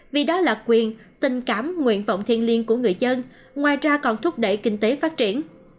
vì đó là quyền tình cảm nguyện vọng thiên liên của người dân ngoài ra còn thúc đẩy kinh tế phát triển